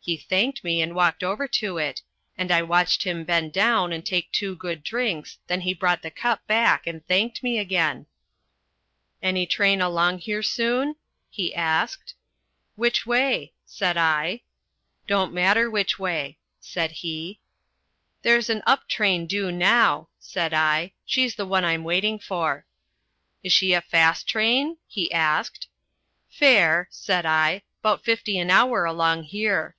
He thanked me and walked over to it, and I watched him bend down and take two good drinks, then he brought the cup back and thanked me again. [Illustration: "DRAWN BY THE IDEA OF ITS GOING SO BLAMED FAST AND BEING SO STRONG."] "'Any train along here soon?' he asked. "'Which way?' said I. "'Don't matter which way,' said he. "'There's an up train due now,' said I; 'she's the one I'm waiting for.' "'Is she a fast train?' he asked. "'Fair,' said I; ''bout fifty an hour along here.'